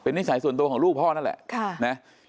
นิสัยส่วนตัวของลูกพ่อนั่นแหละ